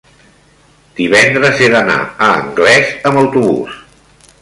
divendres he d'anar a Anglès amb autobús.